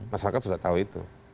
masyarakat sudah tahu itu